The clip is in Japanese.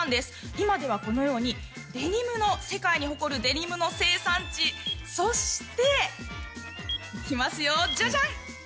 今ではこのようにデニムの世界に誇るデニムの生産地そしてきますよじゃじゃん！